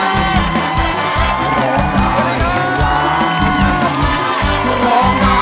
สวัสดีค่ะ